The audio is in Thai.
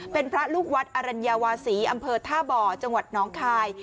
เป็นพระลูกวัดอรัญญาวาศีอำเภอท่าบ่อจังหวัดน้องคาย